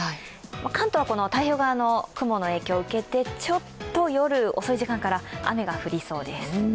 関東は太平洋側の雲の影響を受けてちょっと夜遅い時間から雨が降りそうです。